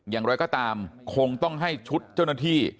อย่างไรก็ตามคงต้องให้ชุดเจ้าหน้าที่